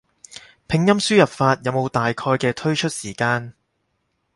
拼音輸入法有冇大概嘅推出時間？